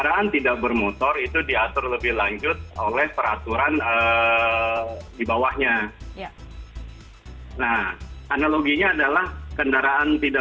jangan sampai ditype chat untuk kita as vegetation